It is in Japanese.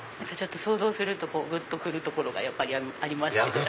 想像するとぐっとくるところがやっぱりあります。